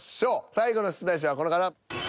最後の出題者はこの方。